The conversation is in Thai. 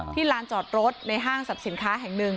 ที่ร้านจอดรถในห้างสับสินค้าแห่งหนึ่ง